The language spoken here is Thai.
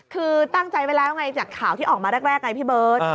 คือตั้งใจไว้แล้วไงจากข่าวที่ออกมาแรกไงพี่เบิร์ต